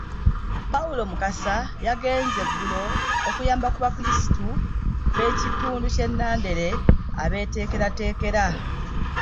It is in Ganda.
Paulo Mukasa yagenze eggulo okuyamba ku Bakristu b'ekitundu ky'e Nandere abeeteekerateekera.